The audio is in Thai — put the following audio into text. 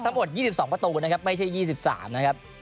ทั้งหมด๒๒ประตูนะครับไม่ใช่๒๓นะครับ